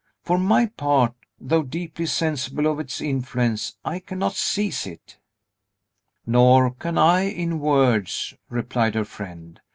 For my part, though deeply sensible of its influence, I cannot seize it." "Nor can I, in words," replied her friend.